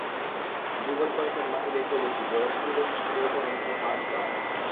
Dribble করেছেন বাকিদের চেয়ে বেশি, গোলের সুযোগও সৃষ্টি করেছেন অন্তত পাঁচবার।